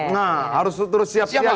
nah harus terus siap siap